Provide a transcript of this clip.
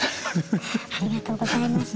ありがとうございます。